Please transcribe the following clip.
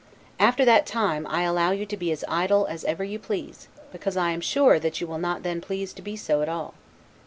After that time I allow you to be as idle as ever you please; because I am sure that you will not then please to be so at all.